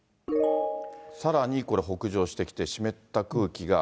さらにこれ、北上してきて湿った空気が。